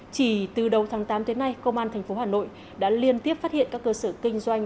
chỉ từ đầu tháng tám tới nay công an tp hà nội đã liên tiếp phát hiện các cơ sở kinh doanh